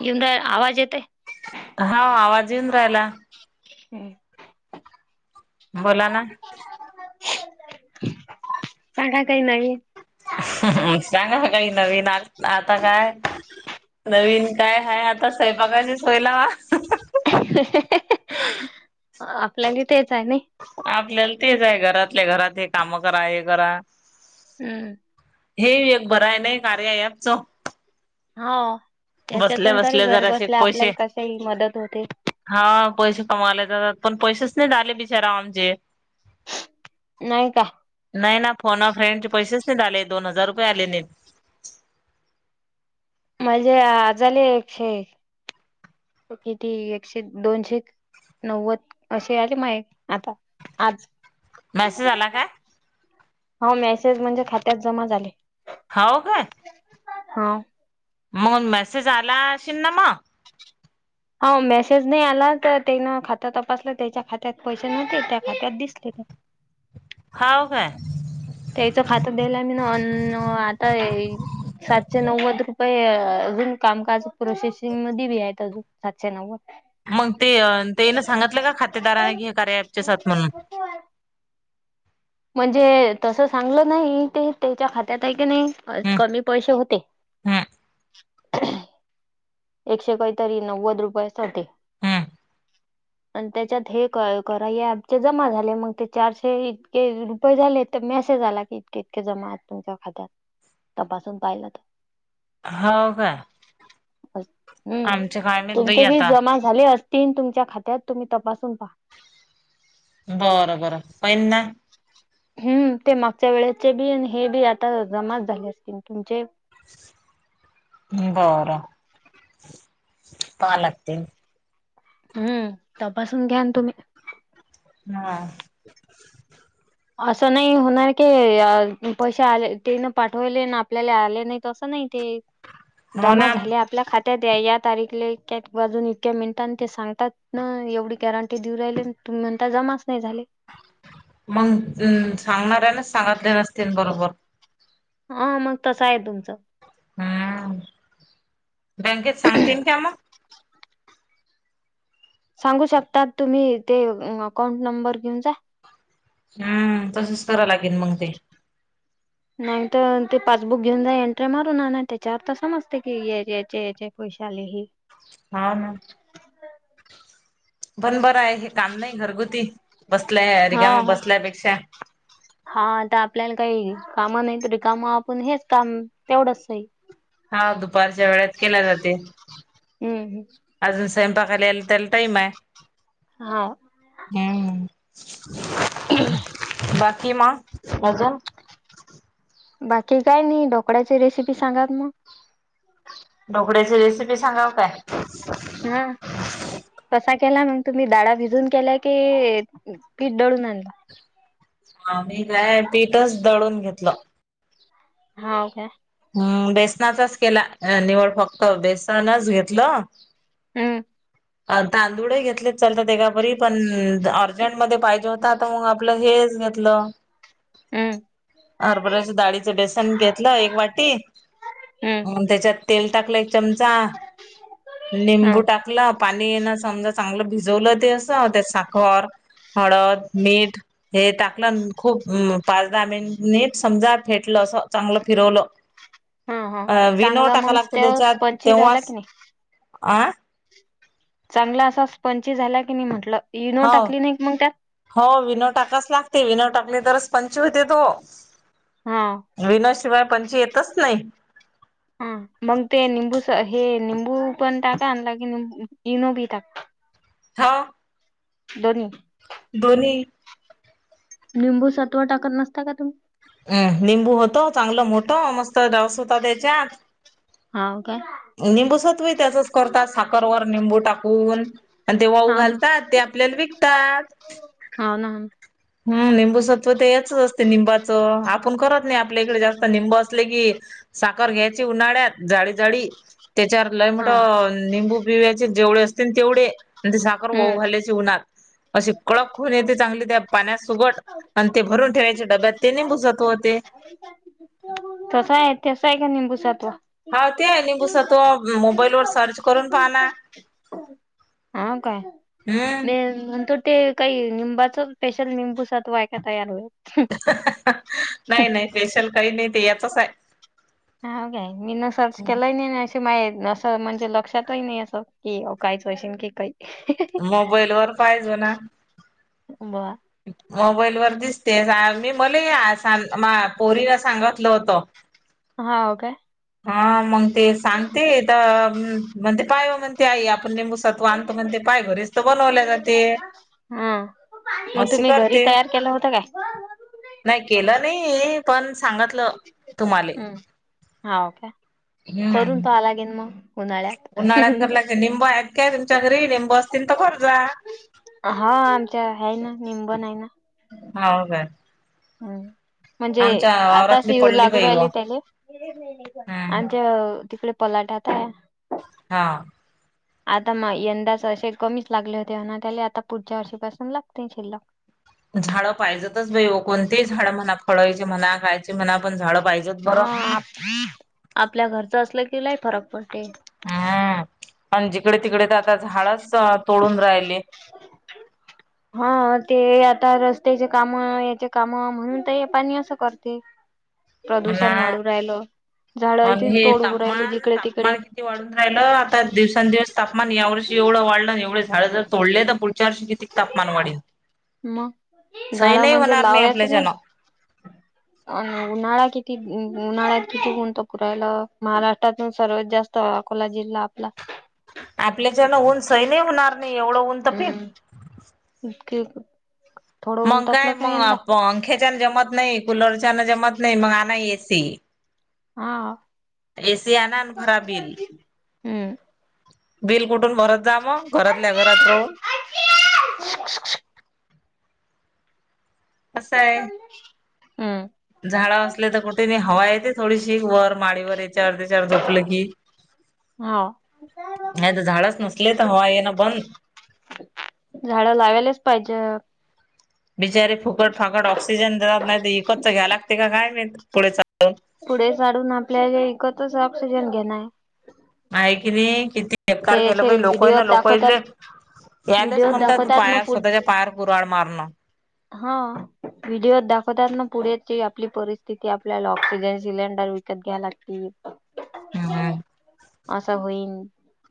येवून रा, आवाज येतंय हा, आवाज येऊन राहिला. हम्. बोला ना. सांगाय काही नाही. सांगा काही नवीन. आ आता काय? नवीन काय हाय? आता स्वयंपाकाची सोय लावा. ही ही ही, आपल्याली तेच आहे नाही. आपल्याला तेच आहे. घरातल्या घरात हे कामं करा, हे करा. हम्म. हे एक बरं आहे नाही, कार्या ॲपचं. हां, बसल्या ह्याच्यातून तरी बसल्या घर जरासे बसल्या पैसे आपल्याला कसही मदत होते. हा पैसे कमावले जातात, पण पैसेच नाहीत आले बिचाराव आमचे. नाहीय का? नाही ना, फोन अ फ्रेंडचे पैसेच नाहीत आले. दोन हजार रुपये आले नाहीत. माझे आज आले एकशे किती एकशे, दोनशे नव्वद असे आले, माय आता आज. मेसेज आला काय? हो. मेसेज म्हणजे खात्यात जमा झाले. हाऊ का? हां. म्हणून मेसेज आला अशील, ना मग. हाऊ मेसेज नाही आला तर तेन खातं तपासलं त्याच्या खात्यात पैसे नव्हते त्या खात्यात दिसले. हाव काय? त्यायचं खातं द्याला मी ना आता सातशे नव्वद रुपये अजून कामकाज प्रोसेसिंग मधी बी आहेत अजून सातशे नव्वद. मग ते तेन सांगितलं का खातेदारांने की हे कार्य ॲपचेच हाईत म्हणून? होय म्हणजे? तसं सांगल नाही ते त्याच्या खात्यात आहे की नाही हम्म कमी पैसे होते. हम्म. एकशे काहीतरी नव्वद रुपयच होते. [inaudible] आणि त्याच्यात हे कराई ॲपचे जमा झाले मग ते चारशे इतके प झाले तर मेसेज आला की इतके इतके जमा तुमच्या खात्यात तपासून पाहिलं तर. हो काय? आमचे हम्म. माहित बाई तुमचे बी आता जमा झाले असतील तुमच्या खात्यात तुम्ही तपासून पाहा. बरं. बरं. पहिना. हम्म. ते मागच्या वेळेचे बी आणि हे बी आता जमाच झाले असतील तुमचे. बरं. पाहालागते. हम्म. तपासून घ्यान तुम्ही. हम्म. असं नाही होणार क पैसे आले ते न पाठवले आपल्याला आले नाही त असं नाही. ते हो जमा ना झाले आपल्या खात्यात या या तारीखला इक्या बाजून इतक्या मिनिटां ते सांगतात ना एवढी गॅरंटी देऊ राहिले तुम्ही म्हणता जमाच नाही झाली. मग सांगणार ने सांगितले नसतील बरोबर. हा मग तसं आहे तुमचं. हम्म बँकेत सांगतील का मग? सांगू शकतात तुम्ही ते अकाउंट नंबर घेऊन जा. हम्म तसच कराव लागेल मग ते. नाहीत ते पासबुक घेऊन जा एंट्री मारू ना ना त्याच्या अर्थ समजते की याचे याचे पैसे आले. हा ना. पण बरं आहे हे काम नाही घरगुती बसल्या हा रिकामा हा बसल्यापेक्षा? हा आता आपल्याला काही कामं नाही रिकाम हेच कामं तेवढंचही. हा दुपारच्या वेळात केल्या जाते. हम्म हम्म अजून स्वयंपाकाला यायला टाईम आहे. हा. हम्म बाकी मग अजून? बाकी काय नाही ढोकळ्याची रेसिपी सांगा ना मग? ढोकळ्याची रेसिपी सांगाव काय? हम्म. कसा केला मग तुम्ही डाळा भिजून केलाय की पीठ दळून आणल? आ मी काय पीठच दळून घेतलं. हाव काय. हम्म बेसनाचाच केला निवड फक्त बेसनच घेतलं. हम्म. तांदूळ घेतले चालतात एकापरी पण अर्जंटमध्ये पाहिजे होता. आता मग आपलं हेच घेतलं. हम्म बऱ्याच डाळीचं बेसन घेतलं एक वाट. हम्म त्याच्यात तेल टाकलंय. चमचा हा निंबू टाकला. पाणी येणं समजा चांगलं भिजवलं ते असं त्या साखर हळद मीठ. हे टाकलं खूप पाच दहा मिनटनीट समजा फेटलं असं चांगलं फिरवलं. हा हा अ विनो चांगला टाका मग लागत त्या त्याच्यात स्पंची झाला तेव्हाच की नाही अ. चांगला असा स्पंची झाला की नाही म्हटलं इनो हो टाकली नाही की मग त्यात. हो विनो टाकाच लागते विनो टाकली तरच पंच होते तो. हा. विनाशिवाय पंची येतच नाही. हा मग ते निंबू हे निंबू पण टाका आणि कीं इनो बी टाका. हाव. दोन्ही. दोन्ही. निबू सत्व टाकत नसता का तुम्ही? अम लिंबू होतो चांगलं मोठं मस्त डस होता त्याच्यात. हावं का. निंबूसत्व त्याचच करतात साखरवर निंबू टाकून. आणि ते वाऊ घालतात ते आपल्याला विकतात. हा ना. हम्म ल निंबूसत्व तर याच असते निंबाचं आपण करत नाही आपल्या इकडे जास्त निंबा. क साखर घ्यायची उन्हाळ्यात जाडी जाडी त्याच्यावर लय मोठ. हा निंबू पिव्याचे जेवढे असते तेवढे. म्हणजे साखर ओ हम्म घाल्याचीि उवनाात अशी कळक खून येते चांगली त्या. सुबट आणि ते भरून ठेवायच्या डब्यात ते नाही भुजत होते. तस आहे तस आहे का निंबू सातवा. हो ते नघुस तो मोबाईल वर सर्च करून पाहना. का म. ते काही निंबाच स्पेशल निंबू सात वयका तयार होईल. नाही नाही स्पेशल काही नाही ते याचच आहे. हा का मी न सर्च केलं नाही अ मा असं म्हणजे लक्षातही नाही असं. की काहीच वशन की का. मोबाईल वर पाहिज ना. ब. मोबाईल व दिसतेस मी मला या पोरीन सांगितलं होतं. हा हो का. हा मग ते सांगते तर म्हणते पाय म्हण. ते आई आपण लिंबू सत्व आणतो म्हणते. काय घरीच तर बनवल्या जाते हा मग अस्स तुम्ही घरी करते. तयार केलं होतं काय नाही केलं नाही. पण सांगितलं तुम्हाला हम्म हम. ये ना मग उन्हाळ्यात. उन्हाळा्या कला निंब ऐकय तुमच्या घरी निंब असतील त बर जा. हा आमच्या हाय ना निंबण आहे ना. हो काय? हम. म्हणजे आमच्या आता वावरातली पडली लागू बाई व राहिले त्याले आ हम्म तिकडे पलाटा तायं. हा. आता म यंदाच असे कमीच लागले होते ना त्याला आता पुढच्या वर्षीपासून लागते शिल्लक. झाडं पाहिजतच भाई कोणतीही झाडं म्हणा फळायचे म्हणा खायचे म्हणा पण झाडं पाहिजे. हा आपल्या घरच असलं की लाई फरक पडते. हम्म पण जिकडे तिकडे तर आता झाडच तोडून राहिले. हा ते आता रस्त्याचे काम याचे काम म्हणून ते पाणी असं करते. ना प्रदूषण वाढू राहिल झाड आणि इथे हे तोड राहिली तापमान जिकडे तापमान तिकडे. किती वाढून राहिलं आता दिवसंदिवस तापमान या वर्षी एवढं वाढलं एवढं झाड जर तोडले तर पुढच्या वर्ष तापमान वाढल मग. सही झाडं नाही म्हणजे होणार नाही आपल्याच्यान. अ उन्हाळा किती? उन्हाळ्यात किती? ऊन तापू रायला महाराष्ट्रातून सर्वात जास्त अकोला जिल्हा आपला. आपल्याच्याना ऊन सै नाही होणार नाही एवढं ऊन. तपेल. हम्. मग काय? मग पंख्याच्यान जमत नाही कुलरच्यान जमत नाही मग आणा एसी. हा ए सि आना भरा बिल. हम्म बिल कुठून भरत जा मग घरातल्या घरात राहून. आज्जीय. कसं आहे. हम्म झाडा असले तर कुठे नाही हवा येते थोडीशी वर माडीवर याच्यावर वर त्याचावर धोप लं की हा नाही तर झाडच नसले तर हवा ये ना बंद. झाड लावायलाच पाहिजे. बिचारी फुकट फाकट ऑक्सिजन दात नाही इकतच घ्या लागते काय नाहीी पुढे चालून. पुढे साढून आपल्या इकतच ऑक्सिजन घेण आहे. नाही की नाही किती? एकार केलं त्याचे पा लोक व्हिडिओ ना लोकले. दाखवतात यालाच व्हिडिओ म्हणतात दाखवतात ना पायार पुढ स्वतःच्या पायार कुरड मारणं. हा. व्हिडिओ दाखवतात ना पुढे आपली परिस्थिती आपल्याला ऑक्सिजन सिलेंडर विकत घ्या लागतील. हम्म असा होईन.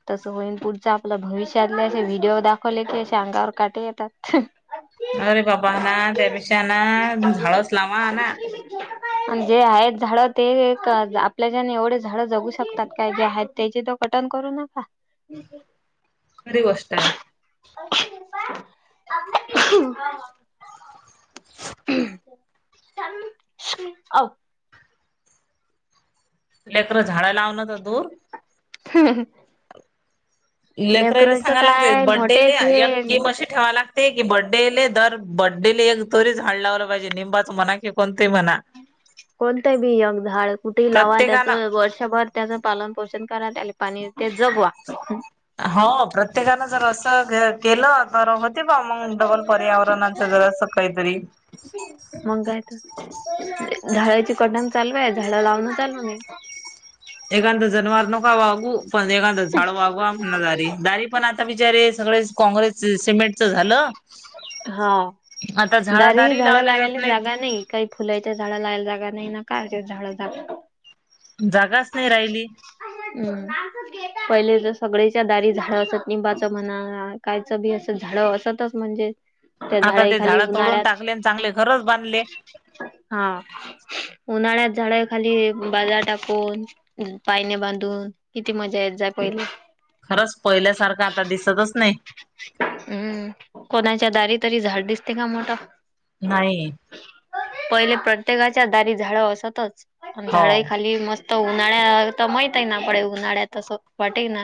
तसं होईन पुढच आपलं भविष्यातलाे व्हिडिओ दाखवले की अे अंगावर काटे येतात. अरे बाबा ना त्यापेक्षा ना झाडच लावा ना. आणि जे आहेत झाडं ते आपल्याच्यान एवढे झाड जगू शकतात काय जे आहेत त्याचे तर पटन करू नका. खरी गोष्ट आहे. [inaudible] अ [inaudible] लेकरं झाडं लावण तर दूर हम् [unintelligible] लेकरराईला सांगाला लागते काय बड्डेले मोठेच या हे केमशी ठेवा लागते. ते की बड्डेले दर बड्डेले एक तोरीच झाड लावलं पाहिजे निंबाच म्हणा की कोणतेही म्हणा. कोणतं बियंग झाड कुठेही लावा प्रत्येकानं त्याचं वर्षभर त्याचं पालन पोषण करा त्याला पाणी ते जगवा. हो प्रत्येकानं जर असं केलं तर हो ते पा मग डबल पर्यावरणाचं जरास काहीतरी. मग काय तर झाडाची कटण चालू आहे झाडं लावण चालूण एखादं जनवार नका वागू पण ए झाड वागवा म्हणा दारी, दारी पण आता बिचारे सगळे काँग्रेस सिमेंटचं झालं. हा, आता झाड दारी ही झाडं लावल्या जात लागायली नाहीत जागा नाही. काही फुलायच्या झाड लायला जागा नाही ना काच्या झाड जागा जागाच नाही राहिली. हम्म, पहिले तर सगळेच्या दारी झाड असत निंबाच म्हणा कायचं बी असं झाड असतच म्हणजे त्या आता झाडा ते खाली झाडं तोडून उन्हाळ्यात टाकले आणि चांगले घरच बांधले. हा, उन्हाळ्यात झाडाय खाली बाजार टाकून पायने बांधून किती मजा येत जा पहिले. खरंच पहिल्यासारखं आता दिसतच नाही. हम्म, कोणाच्या दारी तरी झाड दिसते का मोठ. नाही. पहिले प्रत्येकाच्या दारी झाडं असतच हो. झाडं खाली मस्त तर उन्हाळ्यात तर महीत ही ना पडे उन्हाळ्यात तस वाटे ना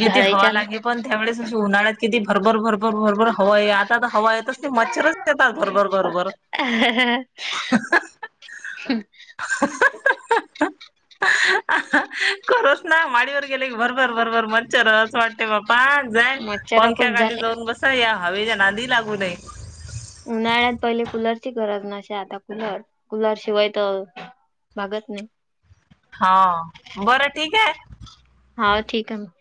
किती हवा झाडायच्या लागे पण त्यावेळेस अशी उन्हाळ्यात किती भरभर, भरभर, भरभर हवा आ आता हवा येतच नाही मच्छरच येतात घर भर भरबर. हम् [inaudible] खरंच ना माळीवर [unintelligible] भर, भर, भर, भर मच्छर असं वाटते बापा जाय मच्छर खूप पंख्यााली- झाले. पण बस या हवेच्या नादी लागू नये. उन्हाळ्यात पहिले कूलरची गरज नसे आता कूलर, कूलर शिवाय तर भागत नाही ‌ हा बरं ठीक आहे. हाव ठीक आहे मग.